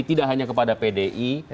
tidak hanya kepada pdi